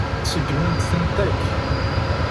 Seggment-tent akk.